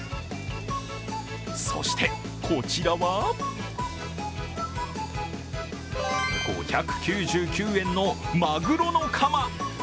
そして、こちらは５９９円のまぐろのカマ。